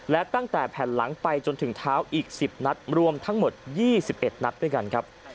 และตั้งแต่แผ่นหลังไปจนถึงเท้าอีก๑๐นัดรวมทั้งหมด๒๑นัดด้วยกันครับ